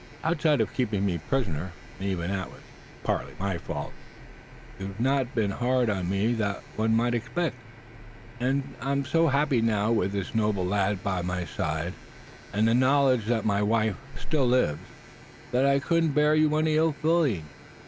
"Outside of keeping me a prisoner, and even that was partly my fault, you've not been harder on me than one might expect. And I'm so happy now, with this noble lad by my side, and the knowledge that my wife still lives, that I couldn't bear you any ill feeling.